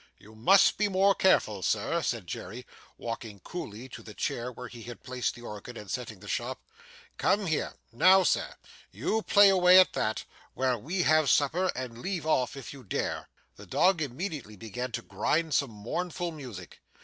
'You must be more careful, Sir,' said Jerry, walking coolly to the chair where he had placed the organ, and setting the stop. 'Come here. Now, Sir, you play away at that, while we have supper, and leave off if you dare.' The dog immediately began to grind most mournful music.